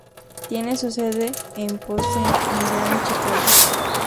Tiene su sede en Posen en Gran Chicago.